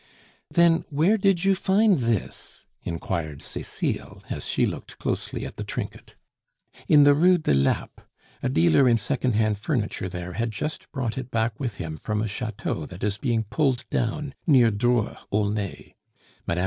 "Then, where did you find this?" inquired Cecile, as she looked closely at the trinket. "In the Rue de Lappe. A dealer in second hand furniture there had just brought it back with him from a chateau that is being pulled down near Dreux, Aulnay. Mme.